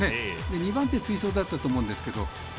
２番手追走だったと思うんですが４